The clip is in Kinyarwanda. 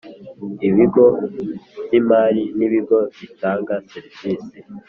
Ibigo by imari n ibigo bitanga serivisi